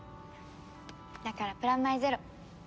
だからプラマイゼロ。